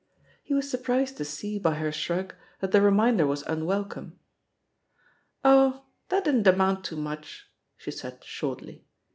He was surprised to see, by her shrug, that the reminder was unwelcome. "Oh, that didn't amount to muchl" she said shortly.